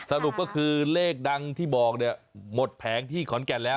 สรุปก็คือเลขดังที่บอกเนี่ยหมดแผงที่ขอนแก่นแล้ว